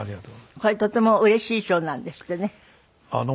これとてもうれしい賞なんですってね。